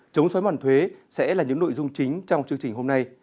chống xói mòn thuế sẽ là những nội dung chính trong chương trình hôm nay